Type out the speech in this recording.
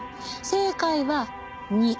正解は２。